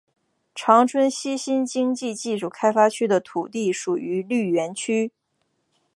长春西新经济技术开发区的土地属于绿园区。